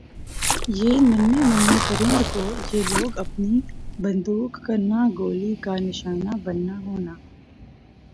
یِہ ننھے مننھے پرند کو یِہ لوگ اپنی بندوق کرنا گولی کا نشانہ بننا ہونا